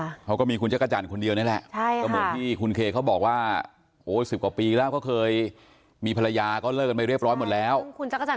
อยู่จริงค่ะเขาก็มีคุณกัฏอาจารย์คุณเดียวไหนล่ะใครอาหารหรอคุณเขาบอกว่าโหสืบกว่าปีนะเขาเคยมีภาระยาก็เริ่มไปเรียบบร้อยหมดแล้วคุณจะ